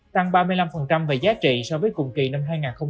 tăng ba mươi năm về giá trị so với cùng kỳ năm hai nghìn hai mươi ba